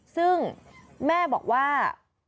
ซึ่งแม่บอกว่า